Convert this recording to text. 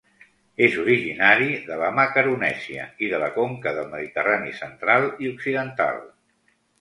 És originari de la Macaronèsia i de la conca del Mediterrani central i occidental.